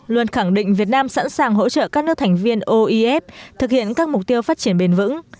luôn khẳng định việt nam sẵn sàng hỗ trợ các nước thành viên oef thực hiện các mục tiêu phát triển bền vững